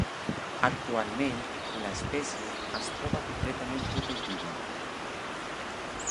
Actualment, l'espècie es troba completament protegida.